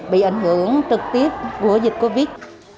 bị ảnh hưởng trực tiếp của dịch covid